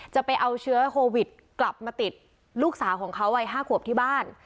จะเอาเชื้อโควิดกลับมาติดลูกสาวของเขาวัย๕ขวบที่บ้าน